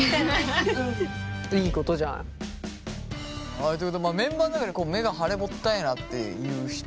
はいということでメンバーの中で目が腫れぼったいなっていう人います？